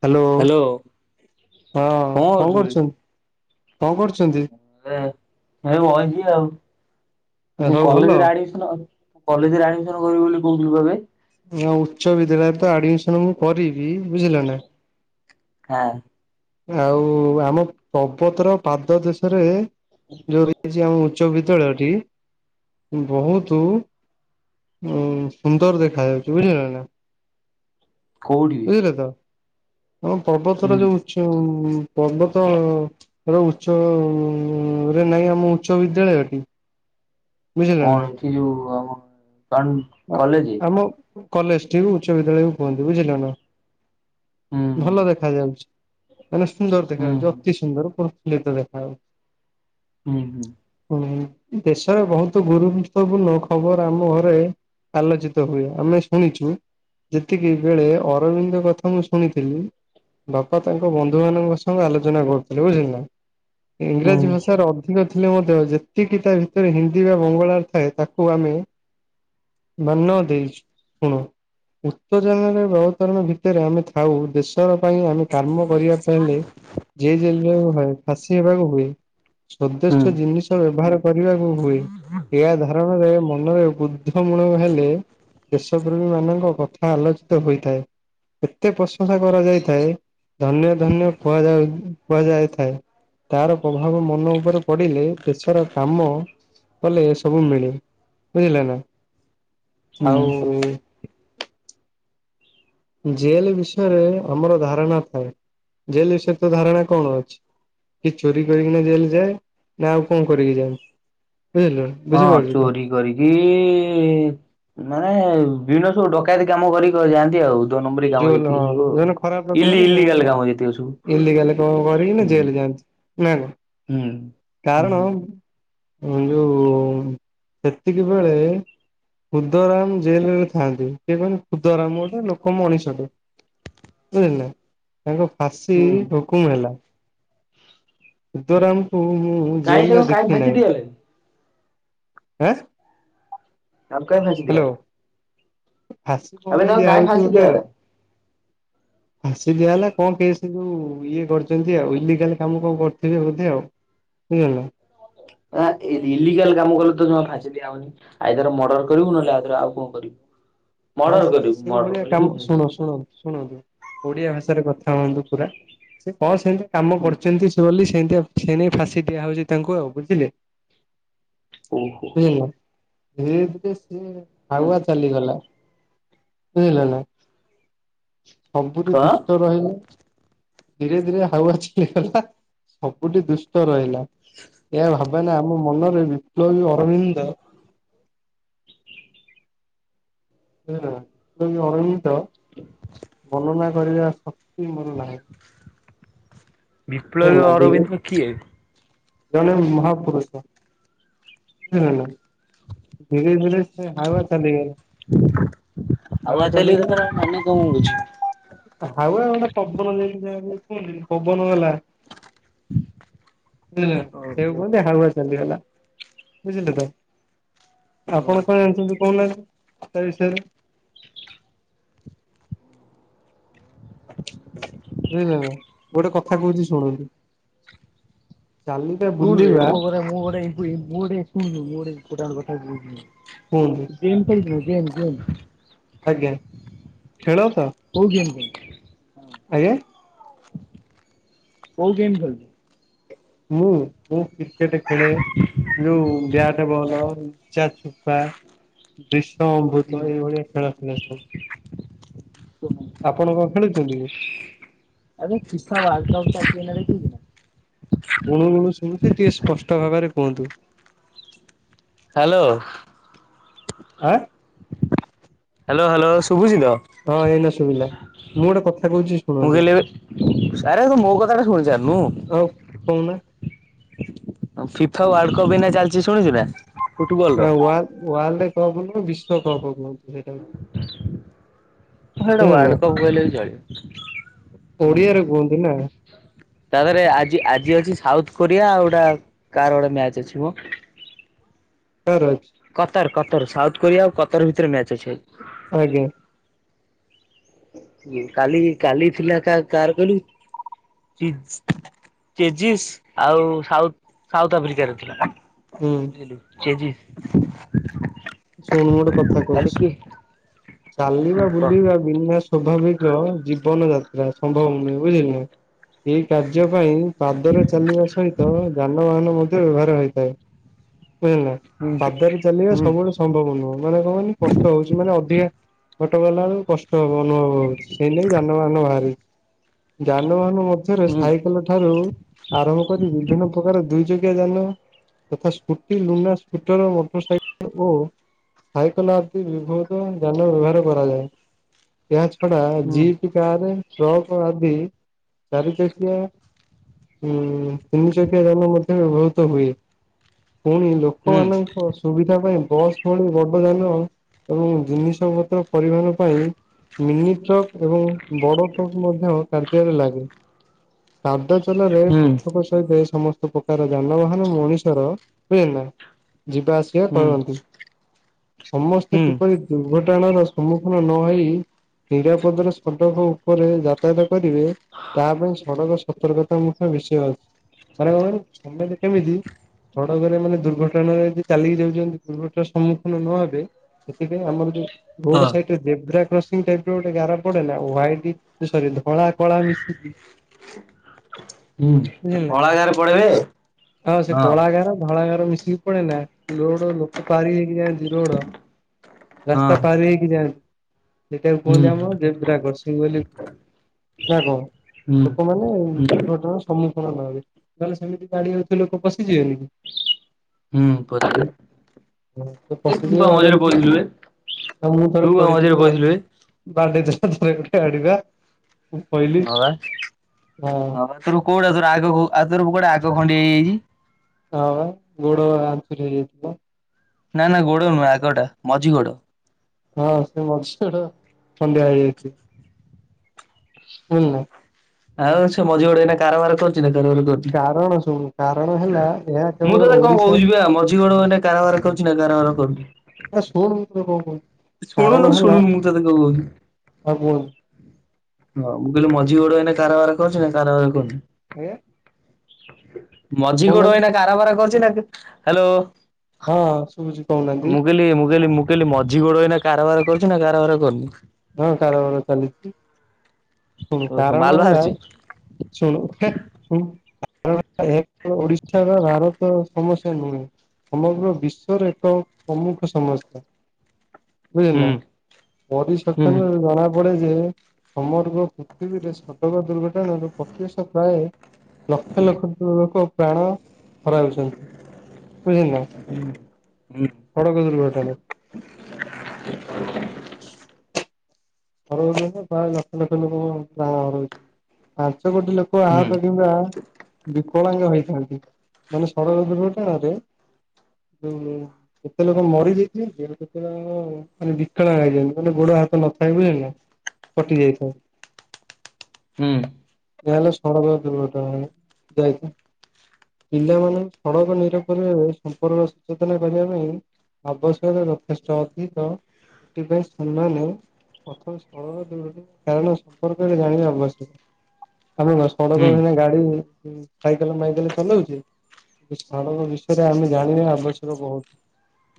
Hello ହଁ କଣ କରୁଛୁ ବେ? କରୁଚନ୍ତି କଣ କରୁଚନ୍ତି? ଏ ବଇଚି ଆଉ ଆଉ ସବୁ ଭଲ? କଲେଜେରେ ଆଡିମି କଲେଜେ ରେ ଆଡମିସନ କରିବି ବୋଲି କହୁଥିଲୁ ଏବେ? ହ ଉଚ୍ଚ ବିଦ୍ୟାଳୟରେ ତ ଆଡମିସନ ମୁଁ କରିବି ବୁଝିଲା ନା? ଆଁ। ଆଉ ଆମ ପର୍ବତର ପାଦ ଦେଶରେ ଯୋଉ ବିତିଚି ଆଉ ଉଚ୍ଚ ବିଦ୍ୟାଳୟଟି ବହୁତୁ ଉଁ ସୁନ୍ଦର ଦେଖା ଯାଉଚି ବୁଝିଲ ନା? କୋଉଠି ବେ? ବୁଝିଲେ ତ ଆମ ପର୍ବତର ହୁଁ ଉଚ୍ଚ ପର୍ବତ ଉଚ୍ଚ ରେ ନାଇଁ ଆମ ଉଚ୍ଚ ବିଦ୍ୟାଳୟଟି ବୁଝିଲ ନା କଣ ଏଠି ଯୋଉ ଆମ [unintelligible] ଆମ କଲେଜେଟି ବି ଉଚ୍ଚ ବିଦ୍ୟାଳୟ ବି କୁହନ୍ତି ବୁଝିଲେ ନା? ହୁଁ ଭଲ ଦେଖାଯାଉଚି। ମାନେ ସୁନ୍ଦର ହୁଁ ଦେଖାଯାଉଚି ଅତି ସୁନ୍ଦର ପ୍ରଫୁଲିତ ଦେଖାଯାଉଚି। ହୁଁ ହୁଁ। ହୁଁ ଦେଶର ବହୁତୁ ଗୁରୁତ୍ୱପୂର୍ଣ୍ଣ ଖବର ଆମ ଘରେ ଆଲୋଚିତ ହୁଏ ଆମେ ଶୁଣିଚୁ ଯେତିକି ବେଳେ ଅରବିନ୍ଦ କଥା ମୁଁ ଶୁଣିଥିଲି ବାପା ତାଙ୍କ ବନ୍ଧୁ ମାନଙ୍କ ସହ ଆଲୋଚନା କରୁଥିଲେ ବୁଝିଲ ନା ହୁଁ ଇଂରାଜୀ ଭାଷାର ଅଧ ଅଧିକ ଥିଲେ ମଧ୍ୟ ଯେତିକି ତା ଭିତରେ ହିନ୍ଦୀ ବା ବଙ୍ଗଳାର ଥାଏ ତାକୁ ଆମେ ମନ ଦେଇଛୁ ଶୁଣ। ଉତ୍ତେଜାନରେ ବଳତରଣ ଭିତରେ ଆମେ ଥାଉ ଦେଶର ପାଇଁ ଆମେ କାମ କରିବା ପାଇଁଲେ ଯେ ଜଲକୁ ହଏ ଫାଶୀ ହେବାକୁ ହୁଏ। ହୁଁ ସ୍ବଦେଷ୍ଟ ଜିନିଷ ବ୍ୟବହାର କରିବାକୁ ହୁଏ ଏହା ଧାରଣାରେ ମନରେ ଗୁଡ ବୁଦ୍ଧ ମୂଳ ହେଲେ ଦେଶପ୍ରେମୀ ମାନଙ୍କ କଥା ଆଲୋଚିତ ହୋଇଥାଏ। ଏତେ ପ୍ରଶଂସା କରାଯାଇଥାଏ ଧନ୍ୟ ଧନ୍ୟ କୁହାଯାଉ କୁହାଯାଇଥାଏ। ତାର ପ୍ରଭାବ ମନ ଉପରେ ପଡିଲେ ଦେଶର କାମ କଲେ ସବୁ ମିଳେ ବୁଝିଲ ନା। ଆଉ ହୁଁ ଜେଲ ବିଷୟରେ ଆମର ଧାରଣା ଥାଏ ଜେଲ ବିଷୟରେ ତ ଧାରଣା କଣ ଅଛି? କିଏ ଚୋରି କରିକି ନା ଜେଲ ଯାଏ ନା ଆଉ କଣ କରିକି ଯାଏ ବୁଝିଲୁ ନା। ହଁ ଚୋରି କରିକି ମାନେ ବିନ ସବୁ ଡକାୟତି କାମ କରି କରିକି ଯାଆନ୍ତି ଆଉ। ଦୋ ନମ୍ବରୀ କାମ ଜୋଲ ଯେତିକି ହଁ ସବୁ ଆଉ। ଯୋଉମାନେ ଖରାପ ଇଲି ଲୋକମାନେ ସେମାନେ ଇଲିଗାଲ କାମ ଯେତିକ ସବୁ ଯାଆନ୍ତି ଇଲିଗାଲ କାମ ହୁଁ କରିକି ଜେଲ ଯାଆନ୍ତି। ନାଁ ନାଁ ହୁଁ ହୁଁ କାରଣ ଏ ଯୋଉ ସେତିକି ବେଳେ ହୁଦରାମ ଜେଲ ରେ ଥାଆନ୍ତି କିଏ କହିଲେ ଖୁଦରାମ ଗୋଟେ ଲୋକ ମଣିଷଟେ ବୁଝିଏଲେ ତାଙ୍କୁ ଫାଶୀ ହୁଁ। ହୁକୁମ ହେଲା ହୁଦରାମ କୁ ହୁ କାଇଁ ଜେଲରେ ତାକୁ କାଇଁ ଦେଖି ଫାଶୀ ନାହିଁ ଦିଆଗଲା କି? ଆଁ ଆପ କାଇଁ ହାଞ୍ଚିଲିୟାତ ଆସି କଣ୍ଡେ ଦିଆ କାଇଁ ହଉଛି ଫାଶୀ ଗୋଟେ ଦିଆଗଲା? ଆଉ। ଆସି ଦିଆ ହେଲା କଣ କେସ ଯୋଉ ଇଏ କରିଛନ୍ତି ଆଉ ଇଲିଗାଲ କାମ କଣ କରୁଥିବେ ବୋଧେ ଆଉ। ହେଇଗଲା। ଆଁ ଏ ଇଲିଗାଲ କାମ କଲେ ତ ଜମା ଫାଶୀ ଦିଆ ହବନି। ଆଇଦର ମର୍ଡର କରିବୁ ନହେଲେ ଆଉଥର ଆଉ କଣ କରିବୁ ମର୍ଡର କରିବୁ ମର୍ଡର କଲେ ହିଁ ଫାଶୀ। ଶୁଣନ୍ତୁ ଶୁଣନ୍ତୁ ଓଡିଆ ଭାଷାରେ କଥା ହୁଅନ୍ତୁ ପୁରା ସେ କଣ ସେମିତି କାମ କରୁଛନ୍ତି ସେ ବୋଲି ସେମିତିଆ ସେନେଇ ଫାଶୀ ଦିଆହଉଛି ତାଙ୍କୁ ଆଉ ବୁଝିଲେ। ହୁଁ ହୁଁ ବୁଝିଲ ରେଫ୍ ସିଏ ହାଉଆ ଚାଲିଗଲା। ବୁଝିଲେ ନାଁ ସବୁଠି କଣ? ଦୁଷ୍ଟ ରହିବ। ଧୀରେ ଧୀରେ ହାଉଆ ଚାଲିଗଲା ସବୁଠି ଦୁଷ୍ଟ ରହିଲା ଏହା ଭାବ କାଁଇନା ଆମ ମନରେ ବିପ୍ଳବୀ ଅରବିନ୍ଦ ବୁଝିଲ ନାଁ ବିପ୍ଲବି ଅରବିନ୍ଦ ବର୍ଣ୍ଣନା କରିବା ଶକ୍ତି ମୋର ନାହିଁ। ବୁଝିଲ ବିପ୍ଲବୀ ନା ଧୀରେ ଅରବିନ୍ଦ କିଏ? ଜଣେ ମହାପୁରୁଷ। ବୁଝିଲେ ନାଁ ଧିରେ ଧିରେ ସେ ହଉଆ ଚାଲିଗଲା। ହାଉଆ ହାୱା ଚାଲିଗଲା ମାନେ କଣ ବୁଝୁଚି। ହାଉଆ ଗୋଟେ ପବନ ଯେମିତି ଯେ କୁହନ୍ତିନି ପବନ ଗଲା ବୁଝିଲେ ନାଁ ସେଇଆକୁ ଓହୋ କୁହନ୍ତି ହାଉଆ ଚାଲିଗଲା ବୁଝିଲେ ତ। ଓହୋ। ଆପଣ କଣ ଜାଣିଛନ୍ତି କହୁନାହାନ୍ତି ତା ବିଷୟରେ ବୁଝିଲେ ନା ଗୋଟେ କଥା କହୁଛି ଶୁଣନ୍ତି। ଜାଲିଟା ଶୁଣୁ ବେ ବୁଲିି ଵା ମୁଁ [unintelligible] ମୁଁ ଗୋଟେ କୁହନ୍ତୁ ମୁଁ ଗୋଟେ ଇମ୍ପୋଟାଣ୍ଟ କଥା କହୁଛି ହୁଁ। ଗେମ୍ ଖେଳୁଥିଲ ଗେମ୍ ଗମ୍? ଆଜ୍ଞା ଖେଳ ତ? କୋଉ ଗେମ୍ ଆଜ୍ଞା। କୋଉ ଗେମ୍ ଖେଳୁଛୁ। ମୁଁ ମୁଁ କ୍ରିକେଟ ଖେଳେ ଯୋଉ ବ୍ୟାଟ୍ ବଲ୍। କଚା ଛୁପା ବିଷ ଅମୃତ ଖେଳୁଛୁ? ଏଇଭଳିଆ ଖେଳ ଥିଲା ସବୁ। ଆପଣ କଣ ଖେଳୁଛନ୍ତି କି? [unintelligible] ଗୁଣୁ ଗୁଣୁ ଶୁଭୁଛି ଟିକେ ସ୍ପଷ୍ଟ ଭାବରେ କୁହନ୍ତୁ। ହ୍ୟାଲୋ। ଆଁ। ହ୍ୟାଲୋ ହ୍ୟାଲୋ ଶୁଭୁଛି ତ? ହଁ ଏଇନା ଶୁବିଲା ମୁଁ ଗୋଟେ କଥା କହୁଛି ମୁଁ ଶୁଣନ୍ତୁ। କହିଲି ଏବେ ଆରେ ତୁ ମୋ କଥାଟା ଶୁଣିସାରୁନୁ। ଓ କହୁନା? ଆଉ ଫିଫା ୱାର୍ଲଡ କପ୍ ଏଇନା ଚାଲିଛି ଶୁଣିଛୁ ନାଁ? ୱାର୍ ୱାର୍ଲଡ କପ୍ ବିଶ୍ୱକପ୍ କୁହନ୍ତୁ ସେଇଟାକୁ। ହେଇଟା ବୁଝିଲେ ନା। ୱାଲଡ କପ୍ କହିଲେ ବି ଚଳିବ। ହୁଁ ଓଡିଆରେ କୁହନ୍ତୁ ନାଁ। ତା ଦେହରେ ଆଜି ଆଜି ଅଛି ସାଉଥ କୋରିଆ ଆଉ ଏଟା କାହାର ଗୋଟେ ମ୍ୟାଚ ଅଛିମ। ସରଛି [inaudible] କତର କତର ସାଉଥ କୋରିଆ ଆଉ କତର ଭିତରେ ମ୍ୟାଚ୍ ଅଛି। ଆଜ୍ଞା। କାଲିକି କାଲି ଥିଲା କା କାର କହିଲୁ? ଚେଜିସ୍ ଆଉ ସାଉଥ୍ ସାଉଥ୍ ଆଫ୍ରିକାର ଥିଲା। ହୁଁ। ତେଜିସ୍। ଶୁଣୁ ଗୋଟେ କଥା କହୁଛି ଚାଲିବା କ ବୁଲିବା ବିନା ସୋଭାବିକ ଜୀବନ ଯାତ୍ରା ସମ୍ଭବ ନୁହେଁ ବୁଝିଲେ। ଏଇ କାର୍ଯ୍ୟ ପାଇଁ ପାଦରେ ଚାଲିବା ସହିତ ଯାନବାହାନ ମଧ୍ୟ ବ୍ୟବହାର ହୋଇଥାଏ। ବୁଝିଲ ଧଳା ପାଦରେ ଚାଲିବା ସବୁବେଳେ ସମ୍ଭବ ନୁହଁ ମାନେ କଣ କହିଲେ କଷ୍ଟ ହଉଛି ମାନେ ଅଧିକା ଗୋଟେ କଲା ବେଳକୁ କଷ୍ ବ ଅନୁଭବ ହଉଛି ସେଇ ନେଇ ଯାନବାହାନ ବାହାରିଛି ଯାନବାହାନ ମଧ୍ୟରେ ସାଇକେଲ ଠାରୁ ଆରମ୍ଭ କରି ବିଭିନ୍ନ ପ୍ରକାର ଦୁଇ ଯ ଯାନ ତଥା Scooty Luna scooter motor cycle ଓ ସାଇକଲ ଆଦି ବିଭତ ଯାନ ବ୍ୟବହାର କରାଯାଏ ଏହା ଛଡା ଜି କାରେ ଟ୍ରକ୍ ଆଦି ଚାରି ଚକିଆ ହୁଁ ତିନି ଚକିଆ ଜାନ ମଧ୍ୟ ବ୍ୟବହୃତ ହୁଏ ପୁଣି ଲୋକ ଲୋକ ମାନଙ୍କ ସୁବିଧା ପାଇଁ ବସ୍ ଳି ବଡ ଧାନ ଏବଂ ଜିନିଷପତ୍ର ପରିବହନ ପାଇଁ ମିନି ଟ୍ରକ୍ ଏବଂ ବଡ଼ ଟ୍ରକ୍ ମଧ୍ୟ କାର୍ଯ୍ୟରେ ଲାଗେ ୃତେଲରେ [inaudible] ସହିତେ ସମସ୍ତ ପ୍ରକାର ଯାନବାହାନ ମଣିଷର ହୁଏନା ଯିବା ଆସିବା କରନ୍ତି। ସମସ୍ତେ କିପରି ଦୁର୍ଘଟଣାର ସମ୍ମୁଖୀନ ନହେଇ ନିରାପଦରେ ସଡ଼କ ଉପରେ ଯା ତାୟତ କରିବେ ତା ପାଇଁ ସଡ଼କ ସତର୍କତା ମୁଖ୍ୟ ବିଷୟ ଅଛି। ମାନେ କଣ କହିଲୁ ସମେତେ କେମିତି ସଡ଼କରେ ମାନେ ଦୁର୍ଘଟଣାରେ ଯଦି ଚାଲିକି ଯାଉଚନ୍ତି ଦୁର୍ଘ ର ସମ୍ମୁଖୀନ ନ ହେବେ ସେଥିପାଇଁ ଆମର ଯୋଉ ରୋଡ଼ ସାଇଟରେ ଜେବ୍ରା କର୍ସିଙ୍ଗ ଟାଇପ୍ ର ଗୋଟେ ଗାର ପଡ଼େ ନା ହ୍ୱାଇଟି ଏ ସରି ଧଳା କଳା ମିଶିକି ବୁଝିଲେ ଗାଁରେ ପଳେଇବେ ଆଉ ସେ ହଁ କଳା ଗାର ଧଳା ଗାର ମିଶି ପୁଣି ନା ଲୋଡ଼ ଲୋକ ପାରି ହେଇକି ଯାଆନ୍ତି ରୋଡ଼। ହଁ ରାସ୍ତା ପାରି ହେଇକି ଯାଆନ୍ତିି ସେଟାକୁ ହୁଁ କୁହନ୍ତି ଆମ ହୁଁ ଜେବ୍ରା କର୍ସିଙ୍ଗ ବୋଲି କୁହନ୍ତି। ନା କଣ ଲୋକମାନେ ହୁଁ ଦୁର୍ଘଟଣା ସମ୍ମୁଖିନ ନହେବେ ନହେଲେ ସେମିତି ଗାଡ଼ି ଯାଉଚି ଲୋକ ପଶିଯିବେନି କି? ହୁଁ ପଶିଯିବେ। ହ ସେ ପଶିଯିବେ ବାଡ଼େ ହେଇକି ପଇଥିଲୁ ବେ ଆଉ ମୁଁ ଥରେ ତୁ ପା ପଡ଼ିଥିଲି ମଝିରେ ପଇଥିଲୁ ବେ ବାଡ଼େ ବାଡ଼େଇ [unintelligible] ଗୋଟେ ଗାଡ଼ି ପା। ହଁ ବା ହଁ ବା ତୋର କୋଉଟା ଯୋଉରା ଆଗକୁ ଆଉ ତୋର କୁଆଡ଼େ ଆଗ ଖଣ୍ଡିଆ ହେଇଯାଇଚି? ହଁ ବା ଗୋଡ଼ ଆଞ୍ଚୁରି ହେଇଯାଇଥିଲା। ନା ନା ଗୋଡ଼ ନୁହୁଁ ଆଗଟା ମଝି ଗୋଡ଼। ହଁ ସେ ମଝି ଗୋଡ଼ ଖଣ୍ଡିଆ ହେଇଯାଇଥିଲା। ଆଉ ସେ ମଝି ଗୋଡ଼ ଏଇନା କାରବାର କରୁଚି ନା କାରବାର କରୁ କାରଣ ଶୁଣୁ କାରଣ ହେଲା ଏହା ମୁଁ କେବଳ ତତେ କଣ ଓଡିଶା କହୁଚି ପା ମଝି ଗୋଡ଼ ଏଇନା କାରବାର କରୁଚି ନା କାରବାର କରୁନି? ଆରେ ଶୁଣୁ ମୋ ତତେ କଣ କହୁଚି? ଶୁଣୁନ ଶୁଣୁନ ମୁଁ ତତେ କଣ କହୁଥିଲି? ଆଉ କୁହନି ହଁ ମୁଁ କହିଲି ମଝି ଗୋଡ଼ ଏଇନା କାରବାର କରୁଚି ନା କାରବାର କରୁନି? ଆଜ୍ଞା ମଝି ଗୋଡ଼ କହୁନାହାନ୍ତି ଏଇନା କାରବାର କରୁଚି ନା ହାଲୋ ହଁ। ଶୁବୁଚି କହୁନା? ମୁଁ କହିଲି ମୁଁ କହିଲି ମୁଁ କହିଲି ମଝି ଗୋଡ଼ ଏଇନା କାରବାର କରୁଚି ନା କାରବାର କରୁନି? ହଁ କାରବାର ଚାଲିଚି ଶୁଣୁ ଓହୋ ମାଲ କାରଣ ହେଲା ବାହାରୁଛି ଶୁଣୁ ହେ ଶୁଣୁ ଏହା କେବଳ ଓଡ଼ିଶାର ଭାରତର ସମସ୍ୟା ନୁହେଁ ସମଗ୍ର ବିଶ୍ୱର ଏକ ପ୍ରମୁଖ ସମସ୍ୟା। ବୁଝିଲ ହୁଁ ନା ବଡି ହୁଁ [unintelligible] ଜଣା ପଡେ ଯେ ସମଗ୍ର ପୃଥିବୀରେ ସଡ଼କ ଦୁର୍ଘଟଣାରୁ ପ୍ରତି ବର୍ଷ ପ୍ରାଏ ଲକ୍ଷ ଲକ୍ଷ ଲୋକ ପ୍ରାଣ ହରାଉଚନ୍ତି ବୁଝିଲେ ନା? ହୁଁ। ସଡ଼କ ଦୁର୍ଘଟଣ ସବୁଦିନେ ପ୍ରାୟ ଲକ୍ଷ ଲକ୍ଷ ଲୋକ ପ୍ରାଣ ହରଉଛନ୍ତି ପାଞ୍ଚ କୋଟି ଲୋକ ହୁଁ ତୁ [unintelligible] ବିକଳାଙ୍ଗ ହେଇଥାଆନ୍ତି ମାନେ ସଡ଼କ ଦୁର୍ଘଟଣାରେ ଯୋଉ କେତେ ଲୋକ ମରିଯାଇଥାନ୍ତି ଆଉ କେତେ ଲୋକଙ୍କ ମାନେ ବିକଳାଙ୍ଗ ହେଇଯାଆନ୍ତି ମାନେ ଗୋଡ଼ ହାତ ନଥ୍ ଭାଇ ବୁଝିଲୁ ନା କଟି ଯାଇଥାଏ ହୁଁ ଯା ହେଲେ ସଣଟା [unintelligible] ଯାଇଛି ପିଲାମାନେ ସଡକ ନିରପରେ ସମ୍ପର୍କ ସଚେତନ କରିବା ପାଇଁ ଅବସରେ ଯଥେଷ୍ଟ ଅଧିକଥିବେସେମାନେ ପ୍ରଥମଥ [unintelligible] କାରଣ ସମ୍ପର୍କରେ ଜାଣିବା ଆବଶ୍ୟକ ଆମ ସଡ଼କ ହେନା ହୁଁ ଗାଡି ସାଇକେଲ ମାଇକେଲ ଚଲାଉଛିଏ ସଡ଼କ ବିଷୟରେ ଆମେ ଜାଣିବା ଆବଶ୍ୟକ ବହୁତ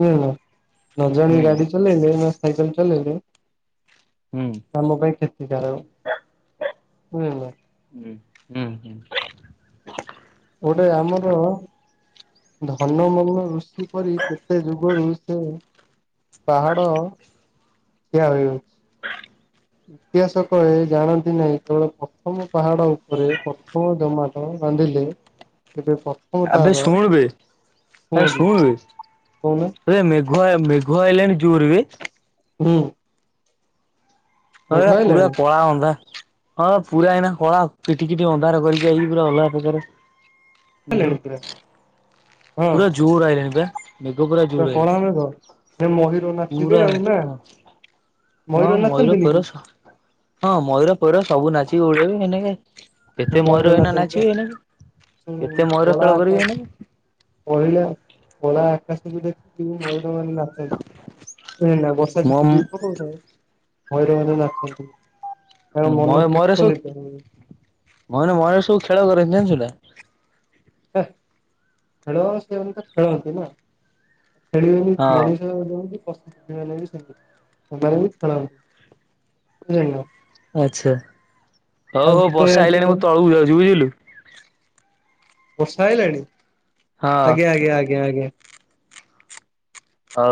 ବୁଝିଲୁ ନା ନ ଜାଣ ଗାଡି ଚଲେଇଲେ ନା ସାଇକେଲ ଚଲେଇଲେ ହୁଁ ଆମ ପାଇଁ କ୍ଷତିକାରକ ବୁଝିଲୁ ନା ହୁଁ ହୁଁ ହୁଁ ଗୋଟେ ଆମର ଧନ ମନ ଋଷି କରି କେତେ ଯୁଗରୁ ସେ ପାହାଡ଼ ଠିଆ ହୋଇ ଅଛି ଇତିହାସ କ ଏ ଜାଣନ୍ତି ନାହିଁ କେବଳ ପ୍ରଥମ ପାହାଡ଼ ଉପରେ ପ୍ର ହଉଦ ମଠ ବନ୍ଦଲି ଏବେ ପ୍ରଥମ ଆବେ ତାର ଶୁଣୁ ବେ କୁହନ୍ତୁ କହୁନା ଏବେ ମେଘୁଆ ମେଘଆଇଲାଣ୍ଡ ଯୋର ବି ହୁଁ ହ ମେଘ ଏଟା ପୁରା ଆଇଲାଣି ପଳା ଅଧା ହଁ ପୁରା ଏଇନା କଳା ପିଠିକିଟି ଅନ୍ଧାର କରିକି ଆଇକି ପୁରା ଅଲଗାକାର [unintelligible] ପୁରା ହଁ ପୁରା ଜୋର ଆଇଲାଣି ଣଏ ନିେଗ ପୁରା ଜୋର ଆଇିଲଲାଣି ହ କ ପୁରା ଛ ହଁ ମୟୂର ନାଚନ୍ତିନି କି ପୋର ସ ହଁ ମୟୂର ଫର ସବୁ ନାଚିକି ଉଡେଇବେ ହେନେ କେ କେତେ ମୟୂର ଏଇନା ନାଚନ୍ତି ପା। ନାଚିବି ଏନାକ ଶୁଣୁ କେତେ ମୟୂର ଖେଳ କରିବି ଏନାକ ପହିଲା କଳା ଆକାଶ ବି ଦେଖଥିବୁ ମୟୁର ମାନେ ନାଚ ହ ଏଇନା ବର୍ଷା ମୋ ଝିପିଝିପି ପକଉଥାଏ ଭୈର ମାନ ନାଚଛନ୍ତି ତାର ମୟ ମନ ମୟୂର ସବୁ ଫୁସ୍ଫଲିତ ହୁଏ ମୟୂର ମୟୂର ସବୁ ଖେଳକରନ୍ତି ଜାଣିଛୁ ନା ହେଁ [unintelligible] ସେବନ୍ତ ତ ଖଳନ୍ତି ନା ଖେଳିବେନି ହଁ ମଣିଷ ଯେମତି ପଶୁପକ୍ଷୀ ମାନେ ବି ସେମିତି ସେମାନେ ବି ଖେଳନ୍ତି ବୁଝିଲୁନା ଆଚ୍ଛା ହଉ ତୁ ହଉ କଣ ବର୍ଷା ଜାଣିଛୁ ଆଇଲାଣି ମୁଁ କହୁନୁ? ତଳକୁ ଯାଉଛି ବୁଝିଲୁ ବର୍ଷା ଆଇଲାଣି ହଁ ଆଜ୍ଞା ଆଜ୍ଞା ଆଜ୍ଞା ହଉ।